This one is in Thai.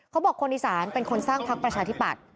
เขาบอกคนอีสานเป็นคนสร้างพักประชาธิบัติ